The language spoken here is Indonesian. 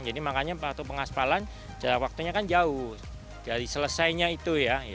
makanya waktu pengaspalan jarak waktunya kan jauh dari selesainya itu ya